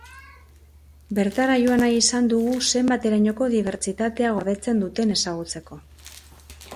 Bertara joan nahi izan dugu zenbaterainoko dibersitatea gordetzen duten ezagutzeko.